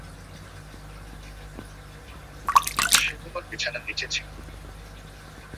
সে তোমার বিছানার নিচে ছিল।